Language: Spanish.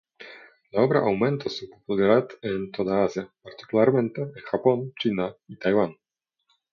La obra aumentó su popularidad en toda Asia, particularmente en Japón, China y Taiwán.